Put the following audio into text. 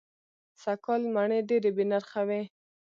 سږ کال مڼې دېرې بې نرخه وې.